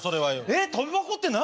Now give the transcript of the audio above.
えっとび箱って何？